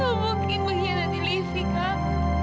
aku nggak mungkin mengkhianati livi kak